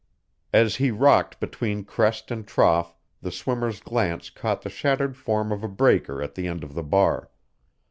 As he rocked between crest and trough, the swimmer's glance caught the shattered form of a breaker at the end of the bar.